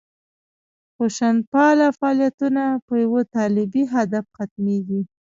خشونتپاله فعالیتونه په یوه طالبي هدف ختمېږي.